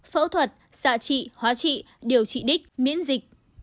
phẫu thuật xạ trị hóa trị điều trị đích miễn dịch